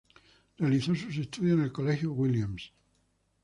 Realizó sus estudios en el Colegio Williams.